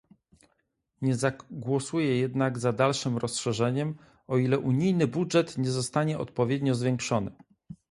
Nie zagłosuję jednak za dalszym rozszerzeniem, o ile unijny budżet nie zostanie odpowiednio zwiększony